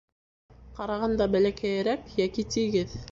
Ҡарағанда бәләкәйерәк йәки тигеҙ